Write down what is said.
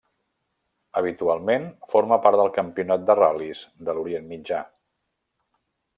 Habitualment forma part del Campionat de Ral·lis de l'Orient Mitjà.